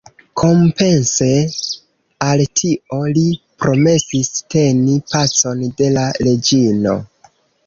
Kompense al tio, li promesis teni „pacon de la reĝino“.